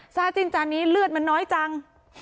จิ้นจานนี้เลือดมันน้อยจัง